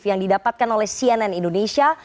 yang didapatkan oleh cnn indonesia